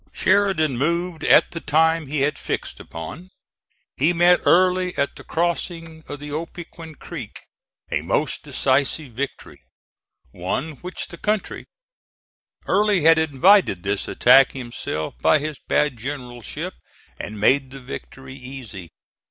Sheridan moved at the time he had fixed upon. He met Early at the crossing of Opequon Creek, and won a most decisive victory one which electrified the country. Early had invited this attack himself by his bad generalship and made the victory easy.